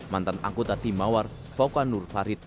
mantan anggota tim mawar fauka nur farid